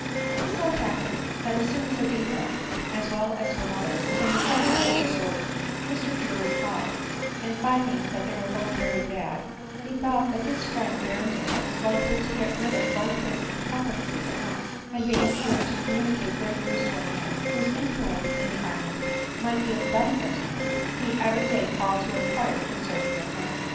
It so happened, that as s£n as Editha, as well as her mother, was in die height of the disorder, Mr Drury called ; and finding that they were both very bad, he thought that his friend Berrendale was likely to get rid of both his incumbrances at once ; and being eager to com municate good news to a man whose influence in the island might be of benefit to him, he every day called to inquire concerning their health.